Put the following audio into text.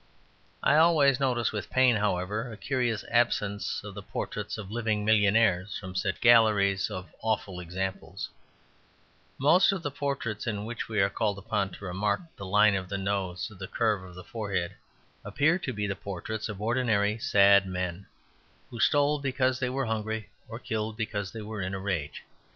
I always notice with pain, however, a curious absence of the portraits of living millionaires from such galleries of awful examples; most of the portraits in which we are called upon to remark the line of the nose or the curve of the forehead appear to be the portraits of ordinary sad men, who stole because they were hungry or killed because they were in a rage.